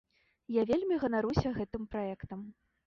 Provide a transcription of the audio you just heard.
Я вельмі ганаруся гэтым праектам.